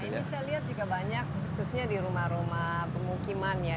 ini saya lihat juga banyak khususnya di rumah rumah pemukiman ya